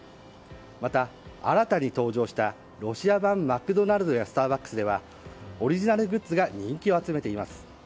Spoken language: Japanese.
また新たに登場したロシア版マクドナルドやスターバックスではオリジナルグッズが人気を集めています。